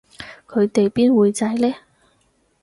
佢哋邊會䎺呢